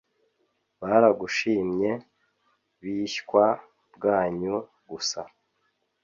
baragushimye bishywa bwanyu gusa